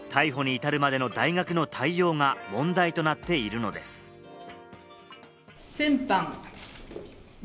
そして今回、逮捕に至るまでの大学の対応が問題となっているのです。